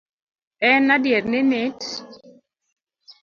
En adier ni nit